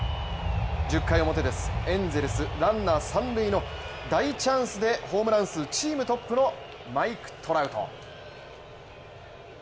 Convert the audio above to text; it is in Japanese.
１０回表です、エンゼルスランナー、三塁の大チャンスでホームラン数チームトップのマイク・トラウト。